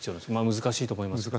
難しいと思いますが。